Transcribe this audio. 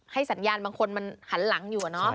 สัญญาณบางคนมันหันหลังอยู่